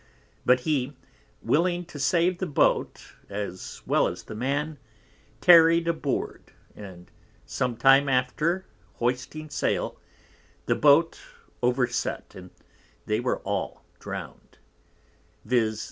But he, willing to save the Boat as well as the Man, tarried aboard, and sometime after hoisting Sail, the Boat overset, and they were all drowned, _viz.